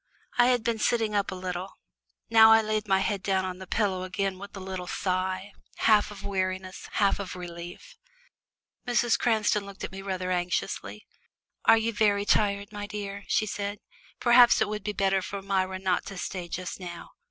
I had been sitting up a little now I laid my head down on the pillows again with a little sigh, half of weariness, half of relief. Mrs. Cranston looked at me rather anxiously. "Are you very tired, my dear?" she said. "Perhaps it would be better for Myra not to stay just now."